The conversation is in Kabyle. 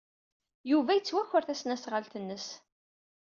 Yuba tettwaker tesnasɣalt-nnes.